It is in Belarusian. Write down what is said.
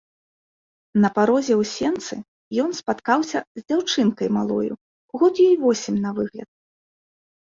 На парозе ў сенцы ён спаткаўся з дзяўчынкай малою, год ёй восем на выгляд.